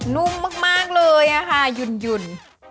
นุ่มมากเลยค่ะหยุ่น